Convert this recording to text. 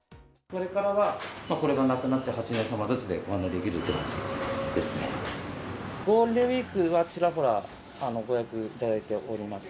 これからはこれがなくなって、８名様ずつでご案内できるっていゴールデンウィークはちらほらご予約いただいております。